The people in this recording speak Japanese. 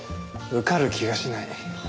受かる気がしない。